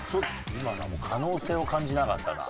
今のはもう可能性を感じなかったな。